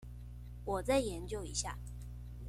我再研究一下